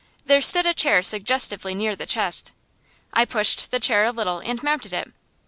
There stood a chair suggestively near the chest. I pushed the chair a little and mounted it.